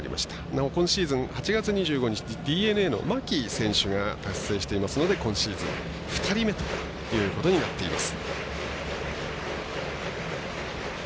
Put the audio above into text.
なお今シーズン８月２５日、ＤｅＮＡの牧選手が達成していますので今シーズン２人目となっています。